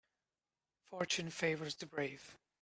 Fortune favours the brave.